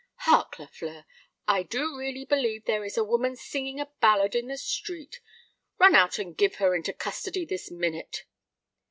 Hark! Lafleur, I do really believe there is a woman singing a ballad in the street! Run out and give her into custody this minute."